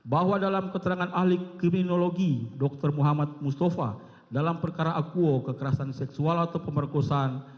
bahwa dalam keterangan ahli kriminologi dr muhammad mustafa dalam perkara akuo kekerasan seksual atau pemerkosaan